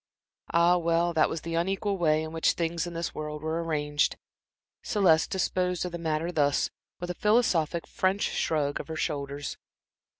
Ah, well, that was the unequal way in which things in this world were arranged. Celeste disposed of the matter thus, with a philosophic French shrug of the shoulders.